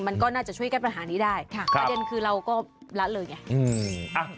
มันก็น่าจะช่วยแก้ปัญหานี้ได้ค่ะประเด็นคือเราก็ละเลยไงอืม